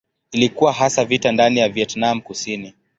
Ilikuwa hasa vita ndani ya Vietnam Kusini.